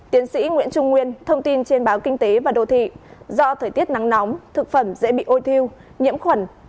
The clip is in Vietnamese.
tiến sĩ nguyễn trung nguyên thông tin trên báo kinh tế và đô thị do thời tiết nắng nóng thực phẩm dễ bị ôi thiêu nhiễm khuẩn